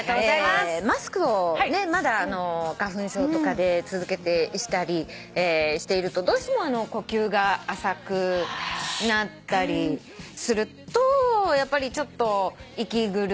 マスクをまだ花粉症とかで続けてしたりしているとどうしても呼吸が浅くなったりするとやっぱりちょっと息苦しくなってきたり。